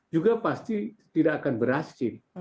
juga pasti tidak akan berhasil